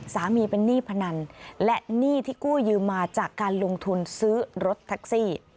สามีเป็นหนี้พนันและหนี้ที่กู้ยืมมาจากการลงทุนซื้อรถแท็กซี่